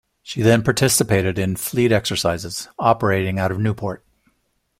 She then participated in fleet exercises, operating out of Newport.